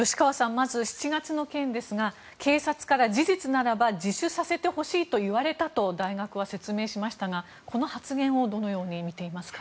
まず７月の件ですが警察から事実ならば自首させてほしいと言われたと大学は説明しましたがこの発言をどのように見ていますか？